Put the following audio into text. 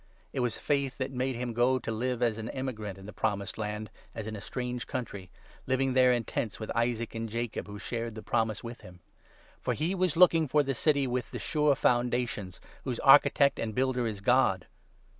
It was faith that made him go to live as an emigrant in the Promised Land — as in a strange country — living, there in tents with Isaac and Jacob, who shared the promise with him. For he was looking for the City with the sure foundations, whose architect and builder is God.